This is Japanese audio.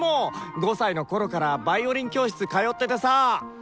５歳のころからヴァイオリン教室通っててさ。